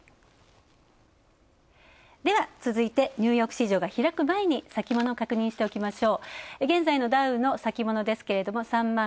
続いてニューヨーク市場が開く前に先物、確認しておきましょう。